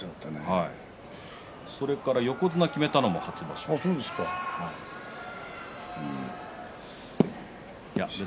それから横綱を決めたのも初場所です。